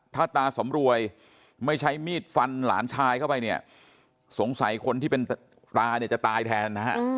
ถ้าตาสำรวยไม่ใช้มีดฟันหลานชายเข้าไปเนี่ยสงสัยคนที่เป็นตาเนี่ยจะตายแทนนะฮะ